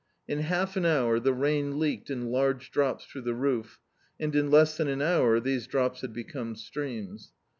In half an hour the rain leaked in large drops through the roof, and in less than an hour these drops had become streams.